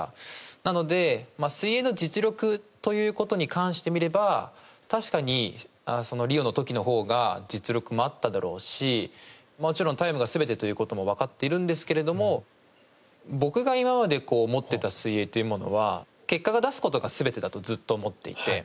なので、水泳の実力ということに関してみれば確かにリオの時のほうが実力もあっただろうしもちろんタイムが全てということも分かっているんですけれども僕が今まで思っていた水泳というのは結果を出すことが全てだとずっと思っていて。